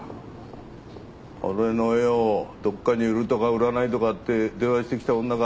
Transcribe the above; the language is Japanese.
俺の絵をどっかに売るとか売らないとかって電話してきた女か。